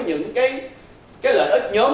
những cái lợi ích nhóm